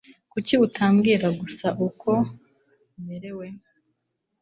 Kuki utabwira gusa uko umerewe?